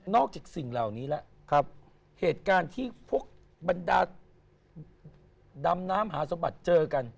สิ่งเหล่านี้แล้วเหตุการณ์ที่พวกบรรดาดำน้ำหาสมบัติเจอกัน